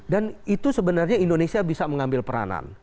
dan itu sebenarnya indonesia bisa mengambil peranan